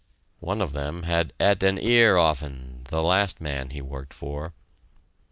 One of them had "et an ear off'n" the last man he worked for.